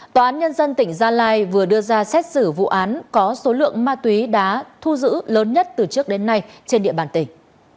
tòa án nhân dân tỉnh gia lai vừa đưa ra xét xử vụ án có số lượng ma túy đá thu giữ lớn nhất từ trước đến nay trên địa bàn tỉnh